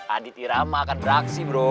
aditi rama akan beraksi bro